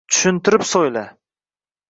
Tushuntirib so‘yla